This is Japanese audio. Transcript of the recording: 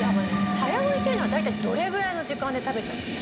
早食いっていうのは大体どれぐらいの時間で食べちゃうんですか？